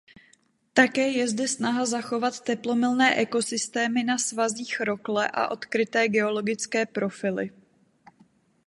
Také je zde snaha zachovat teplomilné ekosystémy na svazích rokle a odkryté geologické profily.